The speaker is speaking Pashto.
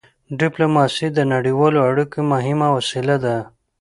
ډيپلوماسي د نړیوالو اړیکو مهمه وسيله ده.